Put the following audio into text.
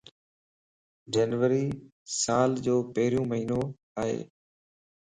جنوري سال ءَ جو پھريون مھينو ائي.